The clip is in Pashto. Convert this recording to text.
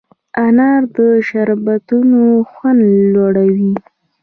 انار د شربتونو خوند لوړوي.